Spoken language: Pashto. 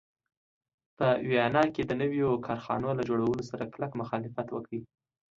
په ویانا کې د نویو کارخانو له جوړولو سره کلک مخالفت وکړ.